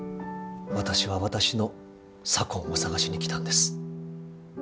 私は私の左近を探しに来たんです。